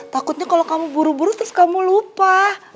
takutnya kalau kamu buru buru terus kamu lupa